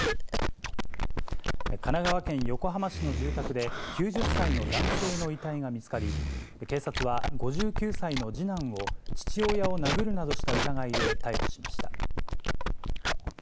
神奈川県横浜市の住宅で、９０歳の男性の遺体が見つかり、警察は５９歳の次男を、父親を殴るなどした疑いで逮捕しました。